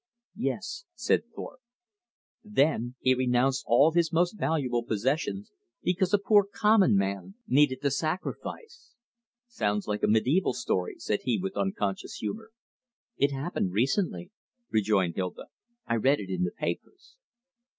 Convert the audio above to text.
"Yes," said Thorpe. "Then he renounced all his most valuable possessions because a poor common man needed the sacrifice." "Sounds like a medieval story," said he with unconscious humor. "It happened recently," rejoined Hilda. "I read it in the papers."